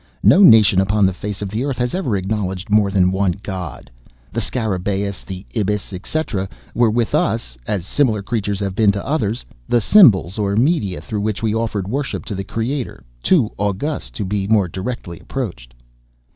"No nation upon the face of the earth has ever acknowledged more than one god. The Scarabaeus, the Ibis, etc., were with us (as similar creatures have been with others) the symbols, or media, through which we offered worship to the Creator too august to be more directly approached."